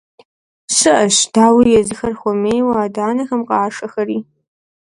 ЩыӀэщ, дауи, езыхэр хуэмейуэ адэ-анэхэм къашэхэри.